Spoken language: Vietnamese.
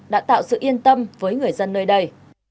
đã tạo sự yên tâm với người dân nơi đây